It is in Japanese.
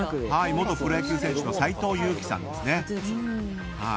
元プロ野球選手の斎藤佑樹さんですね。